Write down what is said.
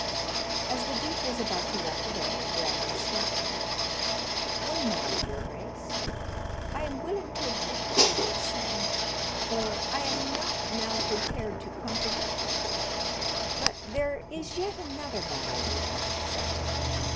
As the duke was about to walk away, Brandon stopped him: "One moment, your grace; I am willing to admit what you have said, for I am not now prepared to contradict it; but there is yet another matter we have to settle.